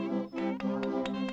pertama suara dari biasusu